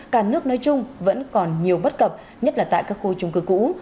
cả nước nói chung vẫn còn nhiều bất cập nhất là tại các khu trung cư cũ